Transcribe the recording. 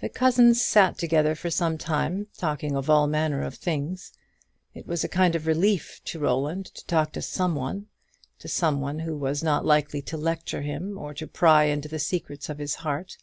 The cousins sat together for some time, talking of all manner of things. It was a kind of relief to Roland to talk to some one to some one who was not likely to lecture him, or to pry into the secrets of his heart.